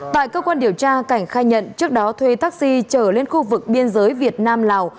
tại cơ quan điều tra cảnh khai nhận trước đó thuê taxi trở lên khu vực biên giới việt nam lào